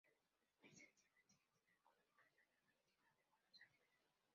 Es licenciado en Ciencias de la Comunicación de la Universidad de Buenos Aires.